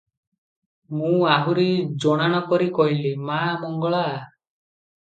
ମୁଁ ଆହୁରି ଜଣାଣ କରି କହିଲି, 'ମା ମଙ୍ଗଳା!